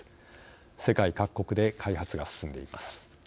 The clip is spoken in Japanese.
世界各国で開発が進んでいます。